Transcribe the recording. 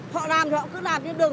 họ làm thì họ cứ làm điên đường